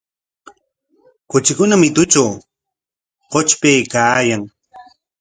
Kuchikuna mitutraw qutrpaykaayan.